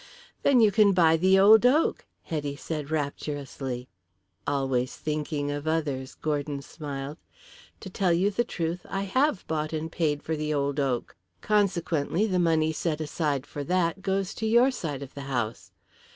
"Then you can buy the old oak," Hetty said rapturously. "Always thinking of others," Gordon smiled. "To tell you the truth I have bought and paid for the old oak. Consequently the money set aside for that goes to your side of the house.